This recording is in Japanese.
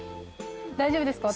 大丈夫ですか？